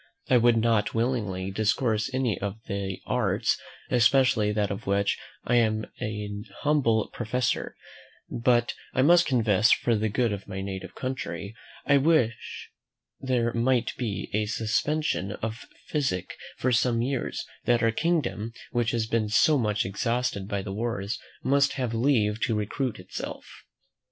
I would not willingly discourage any of the arts, especially that of which I am an humble professor; but I must confess, for the good of my native country, I could wish there might be a suspension of physic for some years, that our kingdom, which has been so much exhausted by the wars, might have leave to recruit itself.